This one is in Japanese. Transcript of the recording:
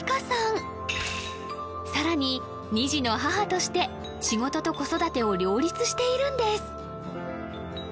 さらに２児の母として仕事と子育てを両立しているんです